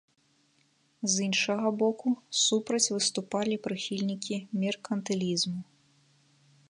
З іншага боку, супраць выступалі прыхільнікі меркантылізму.